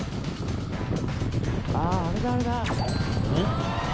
あああれだあれだ！